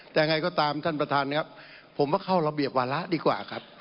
แต่ยังไงก็ตามท่านประธานครับผมว่าเข้าระเบียบวาระดีกว่าครับ